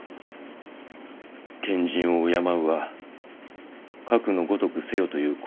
賢人を敬うはかくのごとくせよという故事でございます。